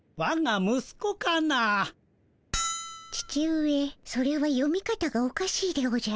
父上それは読み方がおかしいでおじゃる。